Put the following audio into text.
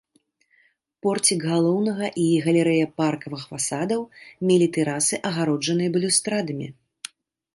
Порцік галоўнага і галерэя паркавага фасадаў мелі тэрасы, агароджаныя балюстрадамі.